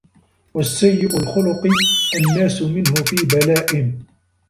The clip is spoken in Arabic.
وَالسَّيِّئُ الْخُلُقِ النَّاسُ مِنْهُ فِي بَلَاءٍ